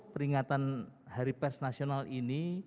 peringatan hari pers nasional ini